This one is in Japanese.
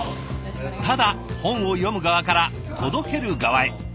ただ本を読む側から届ける側へ。